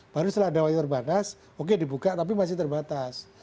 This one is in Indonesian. baru setelah ada wacana yang terbatas oke dibuka tapi masih terbatas